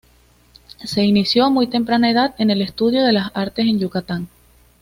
Se inició a muy temprana edad en el estudio de las artes en Yucatán.